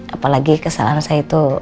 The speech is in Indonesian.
apalagi kesalahan saya itu